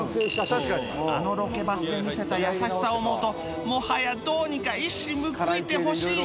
あのロケバスで見せた優しさを思うともはやどうにか一矢報いてほしい